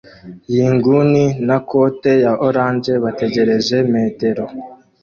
yinguni na kote ya orange bategereje metero